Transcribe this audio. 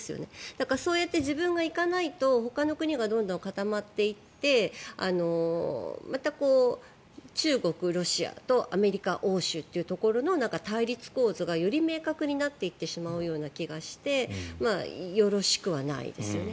だから、そうやって自分が行かないとほかの国がどんどん固まっていってまた中国、ロシアとアメリカ、欧州というところの対立構造がより明確になっていってしまうような気がしてよろしくはないですよね。